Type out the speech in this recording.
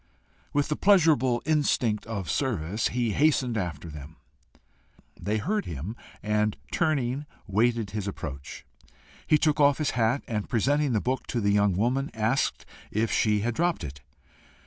With the pleasurable instinct of service, he hastened after them. They heard him, and turning waited his approach. He took off his hat, and presenting the book to the young woman, asked if she had dropped it.